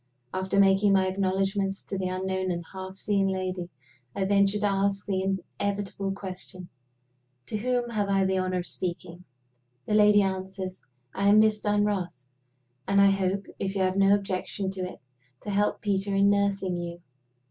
After making my acknowledgments to the unknown and half seen lady, I venture to ask the inevitable question, "To whom have I the honor of speaking?" The lady answers, "I am Miss Dunross; and I hope, if you have no objection to it, to help Peter in nursing you."